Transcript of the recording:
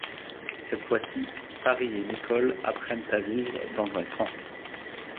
Cette fois-ci, Paris et Nicole apprennent à vivre dans un camp.